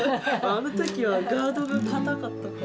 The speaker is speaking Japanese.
あの時はガードが堅かったから。